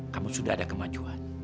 kamu sudah ada kemajuan